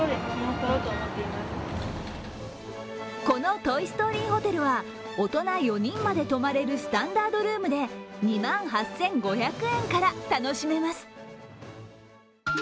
このトイ・ストーリーホテルは、大人４人まで泊まれるスタンダードルームで２万８５００円から楽しめます。